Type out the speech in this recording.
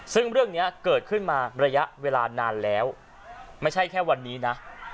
ซึ่งเรื่องนี้เกิดขึ้นมาระยะเวลานานแล้วไม่ใช่แค่วันนี้นะ